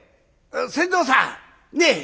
船頭さんねえ！